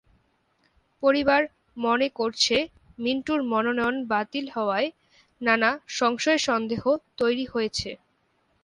পরিবার মনে করছে, মিন্টুর মনোনয়ন বাতিল হওয়ায় নানা সংশয়-সন্দেহ তৈরি হয়েছে।